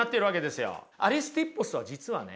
アリスティッポスは実はね